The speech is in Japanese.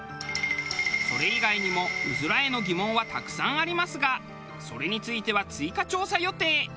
それ以外にもうずらへの疑問はたくさんありますがそれについては追加調査予定。